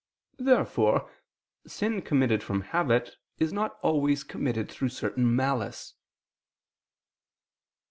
Therefore sin committed from habit is not always committed through certain malice.